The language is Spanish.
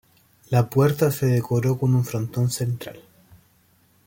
La puerta se decoró con un frontón central.